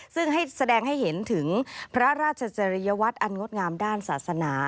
ซึ่งให้แสดงให้เห็นถึงพระราชจริยวัตรอันงดงามด้านศาสนา